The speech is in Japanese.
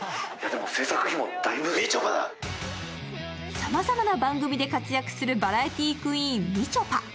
さまざまな番組で活躍するバラエティークイーン・みちょぱ。